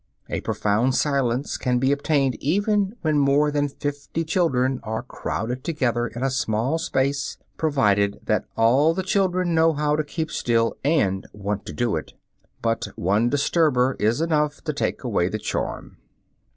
A profound silence can be obtained even when more than fifty children are crowded together in a small space, provided that all the children know how to keep still and want to do it; but one disturber is enough to take away the charm.